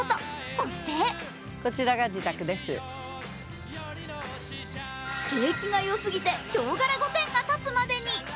そして景気がよすぎて、ヒョウ柄御殿が建つまでに。